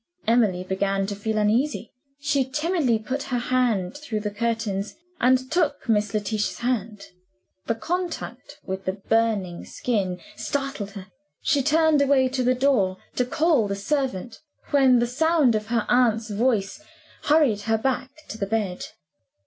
Emily began to feel uneasy. She timidly put her hand through the curtains, and took Miss Letitia's hand. The contact with the burning skin startled her. She turned away to the door, to call the servant when the sound of her aunt's voice hurried her back to the bed.